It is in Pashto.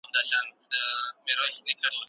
موسکا خوره کړه،